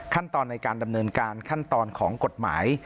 ขั้นตอนในการดำเนินการขั้นตอนของกฎหมาย